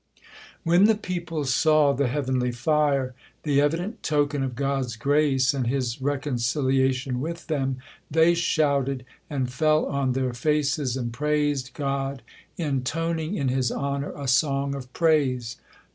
When the people saw the heavenly fire, the evident token of God's grace and His reconciliation with them, they shouted, and fell on their faces, and praised God, intoning in His honor a song of praise.